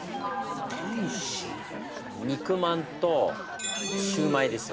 肉まんとシューマイです。